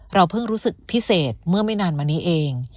เพิ่งรู้สึกพิเศษเมื่อไม่นานมานี้เอง